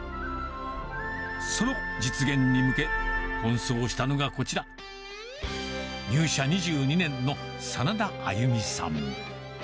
その実現に向け、奔走したのがこちら、入社２２年の眞田あゆみさん。